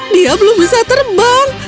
dia belum bisa terbang